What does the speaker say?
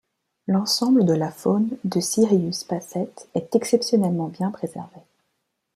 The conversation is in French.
L'ensemble de la faune de Sirius Passet est exceptionnellement bien préservé.